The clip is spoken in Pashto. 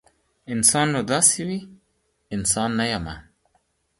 انسان نو داسې وي؟ انسان نه یمه